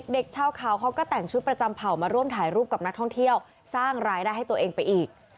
เด็กชาวเขาเขาก็แต่งชุดประจำเผ่ามาร่วมถ่ายรูปกับนักท่องเที่ยวสร้างรายได้ให้ตัวเองไปอีก